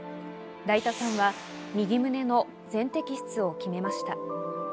だいたさんは右胸の全摘出を決めました。